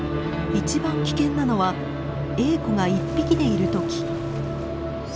一番危険なのはエーコが１匹でいる時。